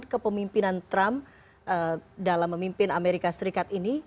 kepemimpinan trump dalam memimpin amerika serikat ini